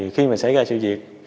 khi xảy ra sự diệt